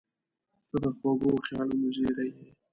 • ته د خوږو خیالونو زېری یې.